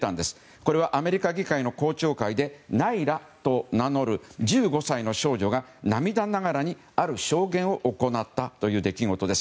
これはアメリカ議会の公聴会でナイラと名乗る１５歳の少女が涙ながらにある証言を行った出来事です。